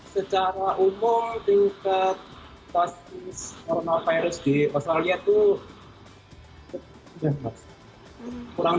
secara umum tingkat kasus coronavirus di australia itu kurang